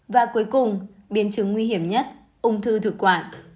và cuối cùng biến chứng nguy hiểm nhất ung thư thực quản